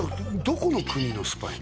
どこの国のスパイ？